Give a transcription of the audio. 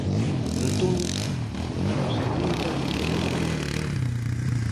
Entón, ¿a nosa emenda de que vai?